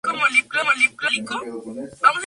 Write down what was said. Wałęsa es conocido por su ferviente catolicismo.